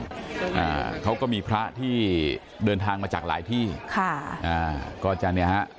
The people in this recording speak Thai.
อ่าเขาก็มีพระที่เดินทางมาจากหลายที่ค่ะอ่าก็จะเนี่ยฮะ